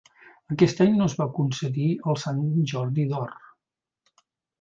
Aquest any no es va concedir el Sant Jordi d'Or.